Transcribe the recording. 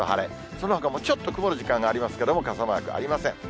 そのほかもちょっと曇る時間がありますけれども、傘マークありません。